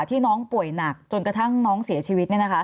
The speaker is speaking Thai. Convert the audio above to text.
ที่น้องป่วยหนักจนกระทั่งน้องเสียชีวิต